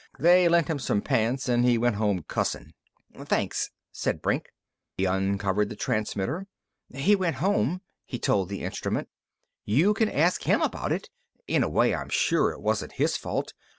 They lent him some pants and he went home cussing." "Thanks," said Brink. He uncovered the transmitter. "He went home," he told the instrument. "You can ask him about it. In a way I'm sure it wasn't his fault.